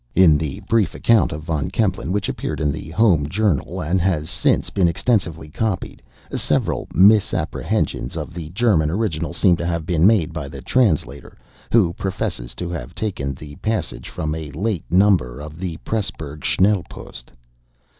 In the brief account of Von Kempelen which appeared in the 'Home Journal,' and has since been extensively copied, several misapprehensions of the German original seem to have been made by the translator, who professes to have taken the passage from a late number of the Presburg 'Schnellpost.